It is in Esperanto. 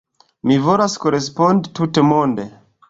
Mi volas korespondi tutmonde.